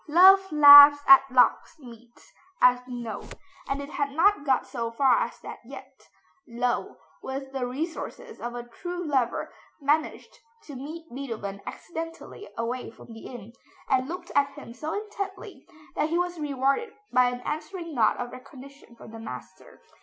Love laughs at locksmiths, as we know, and it had not got so far as that yet. Löwe, with the resources of a true lover, managed to meet Beethoven accidentally away from the inn, and looked at him so intently that he was rewarded by an answering nod of recognition from the master.